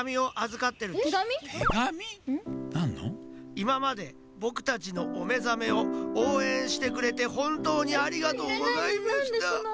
「いままでぼくたちのおめざめをおうえんしてくれてほんとうにありがとうございました。